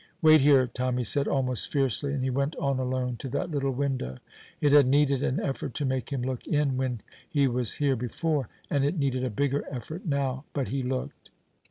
"Wait here!" Tommy said almost fiercely, and he went on alone to that little window. It had needed an effort to make him look in when he was here before, and it needed a bigger effort now. But he looked.